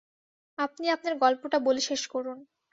আপনি আপনার গল্পটা বলে শেষ করুন।